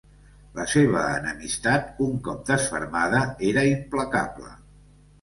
La seva enemistat, un cop desfermada, era implacable.